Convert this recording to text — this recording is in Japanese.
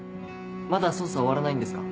まだ捜査終わらないんですか？